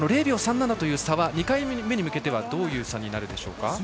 ０秒３７という差は２回目に向けてはどういう差になるでしょうか。